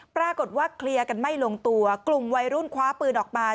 ปรากฏว่าเคลียร์กันไม่ลงตัวกลุ่มวัยรุ่นคว้าปืนออกมา